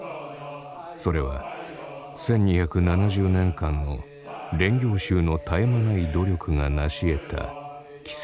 それは１２７０年間の練行衆の絶え間ない努力がなしえた奇跡なのだ。